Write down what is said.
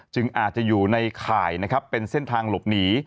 อาจจะอยู่ในข่ายนะครับเป็นเส้นทางหลบหนี